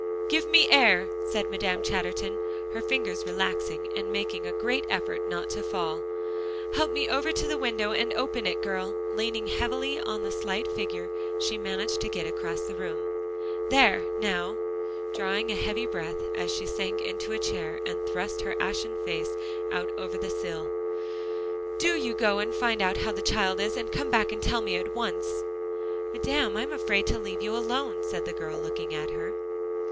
"Give me air," said Madame Chatterton, her fingers relaxing, and making a great effort not to fall. "Help me over to the window, and open it, girl" and leaning heavily on the slight figure, she managed to get across the room. "There now," drawing a heavy breath as she sank into a chair and thrust her ashen face out over the sill, "do you go and find out how the child is. And come back and tell me at once." "Madame, I'm afraid to leave you alone," said the girl, looking at her.